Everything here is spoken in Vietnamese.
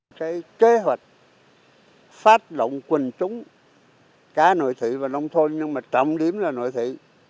tỉnh đã kế hoạch phát động quân chúng cả nội thị và nông thôn nhưng mà trọng điểm là nội thị